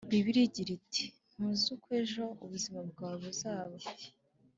Bibiliya igira iti ntuzi uko ejo ubuzima bwawe buzaba